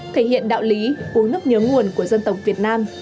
thể hiện đạo lý uống nước nhớ nguồn của dân tộc việt nam